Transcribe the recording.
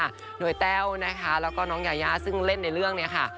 ด้วยแต้วนะคะแล้วก็น้องยายาซึ่งเล่นในเรื่องนี้ค่ะ